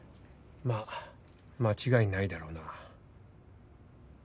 まあ間違いないだろうな。